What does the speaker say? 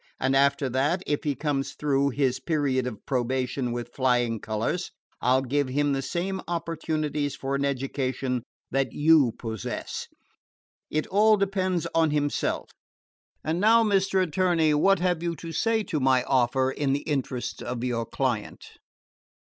And after that, if he comes through his period of probation with flying colors, I 'll give him the same opportunities for an education that you possess. It all depends on himself. And now, Mr. Attorney, what have you to say to my offer in the interests of your client?"